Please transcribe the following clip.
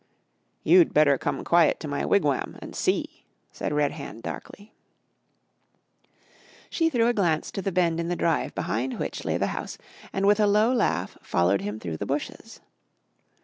"You better come quiet to my wigwam an' see," said Red Hand darkly. She threw a glance to the bend in the drive behind which lay the house and with a low laugh followed him through the bushes.